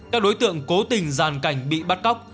các đối tượng cố tình giàn cảnh bị bắt cóc